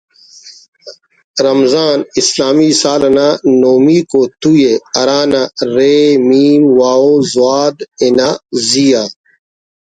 رمضان اسلامی سال تا نہمیکو تو ءِ ہرا نا ”ر“ ”م“و ”ض“ انا زی آ